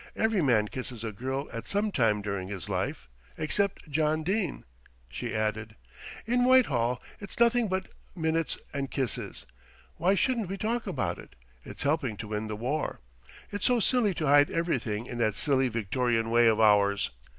Every man kisses a girl at some time during his life, except John Dene," she added. "In Whitehall it's nothing but minutes and kisses. Why shouldn't we talk about it? It's helping to win the war. It's so silly to hide everything in that silly Victorian way of ours.